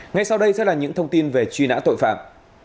ngay sau đây sẽ là những thông tin về truy nã tội phạm